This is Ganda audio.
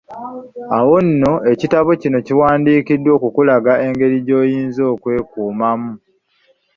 Awo nno ekitabo kino kiwandikiddwa okukulaga engeri gy'oyinza okwekuumamu.